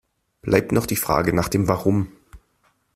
Bleibt noch die Frage nach dem Warum.